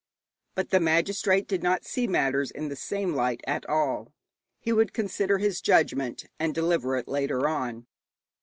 But the magistrate did not see matters in the same light at all. He would consider his judgment, and deliver it later on.